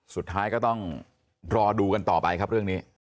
สุดท้ายก็ต้องรอดูกันต่อไปครับเรื่องนี้